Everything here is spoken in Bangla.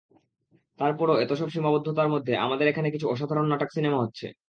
তার পরও এতসব সীমাবদ্ধতার মধ্যে আমাদের এখানে কিছু অসাধারণ নাটক-সিনেমা হচ্ছে।